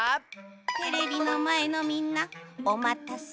テレビのまえのみんなおまたせ。